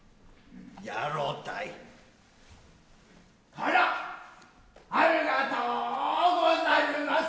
あらありがとうござるます。